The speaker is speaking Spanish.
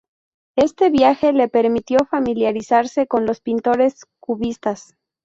Este viaje le permitió familiarizarse con los pintores cubistas.